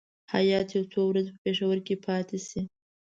هیات یو څو ورځې په پېښور کې پاتې شي.